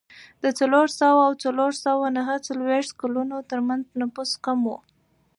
د څلور سوه او څلور سوه نهه څلوېښت کلونو ترمنځ نفوس کم و.